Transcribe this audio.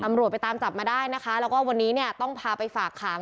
ตำรวจไปตามจับมาได้นะคะแล้วก็วันนี้เนี่ยต้องพาไปฝากขัง